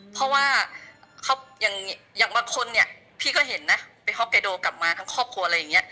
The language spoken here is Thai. เพราะว่าอย่างบางคนเนี่ยพี่ก็เห็นนะไปฮอกไกโดกลับมาทั้งครอบครัวอะไรอย่างนี้